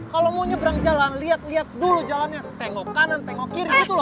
kalo mau nyebrang jalan liat liat dulu jalannya tengok kanan tengok kiri gitu loh